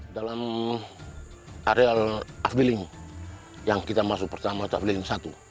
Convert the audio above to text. dalam area afdiling yang kita masuk pertama afdiling satu